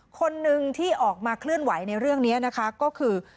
คนหนึ่งที่ออกมาเคลื่อนไหวในเรื่องนี้นะคะก็คือ